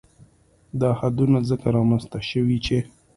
دا حدونه ځکه رامنځ ته شوي چې